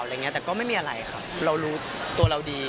อะไรอย่างนี้แต่ก็ไม่มีอะไรครับเรารู้ตัวเราดี